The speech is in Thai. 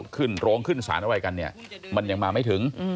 ขึ้นโรงขึ้นสารอะไรกันเนี่ยมันยังมาไม่ถึง